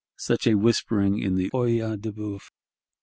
Such a whispering in the Œil de Bœuf!